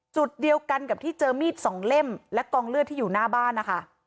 จุดเดียวกันกับที่เจอมีดสองเล่มและกองเลือดที่อยู่หน้าบ้านนะคะ